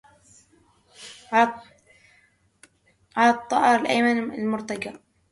على الطائر الأيمن المرتجى